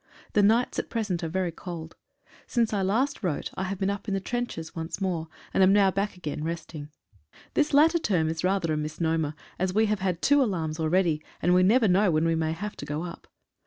The nights at present are very cold. Since I last wrote I have been up in the trenches once more, and am now back again resting. This latter term is rather a misnomer, as we have had two alarms already, and we never know when we may have to go up.